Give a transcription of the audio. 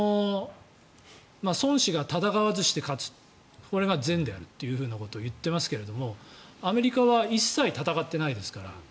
孫子が戦わずして勝つこれが善であると言っていますが、アメリカは一切戦ってないですから。